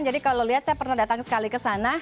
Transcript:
jadi kalau lihat saya pernah datang sekali kesana